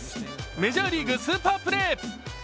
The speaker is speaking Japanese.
メジャーリーグスーパープレー。